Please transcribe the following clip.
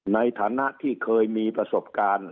ในฐานะที่เคยมีประสบการณ์